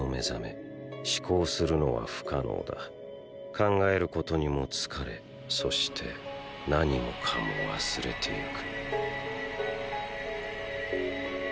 考えることにも疲れそして何もかも忘れていく。